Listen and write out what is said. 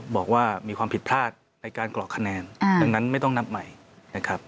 บอกว่ามีความผิดพลาดในการกรอกคะแนนดังนั้นไม่ต้องนับใหม่นะครับ